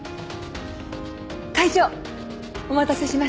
会長お待たせしました。